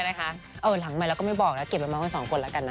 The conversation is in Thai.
เอาอื่นถังใหม่แล้วก็ไม่บอกแล้วเก็บไปมาให้สองคนละกันนะ